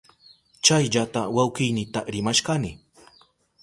Chayllata wawkiynita rimashkani.